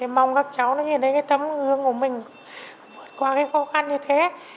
mong các cháu nhìn thấy cái tấm hướng của mình vượt qua cái khó khăn như thế